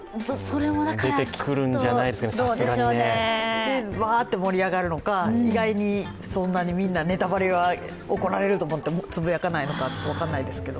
出てくるんじゃないですかね、さすがにね。わーって盛り上がるのか、意外にそんなにみんな、ネタバレは怒られると思ってちょっと分からないですけど。